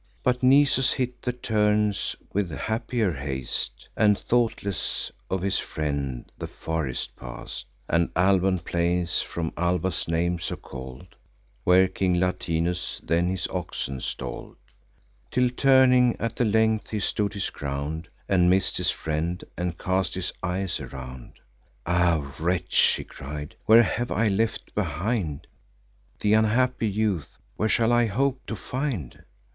But Nisus hit the turns with happier haste, And, thoughtless of his friend, the forest pass'd, And Alban plains, from Alba's name so call'd, Where King Latinus then his oxen stall'd; Till, turning at the length, he stood his ground, And miss'd his friend, and cast his eyes around: "Ah wretch!" he cried, "where have I left behind Th' unhappy youth? where shall I hope to find?